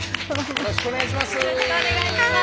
よろしくお願いします。